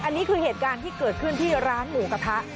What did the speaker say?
อันนี้คือเหตุการณ์ที่เกิดขึ้นที่ร้านหมูกระทะ